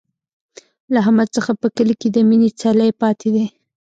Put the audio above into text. له احمد څخه په کلي کې د مینې څلی پاتې دی.